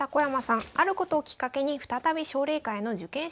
あることをきっかけに再び奨励会の受験資格を獲得します。